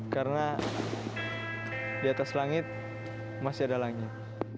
karena di atas langit masih ada langit